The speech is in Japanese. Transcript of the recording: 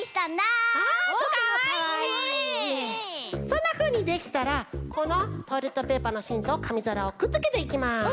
そんなふうにできたらこのトイレットペーパーのしんとかみざらをくっつけていきます。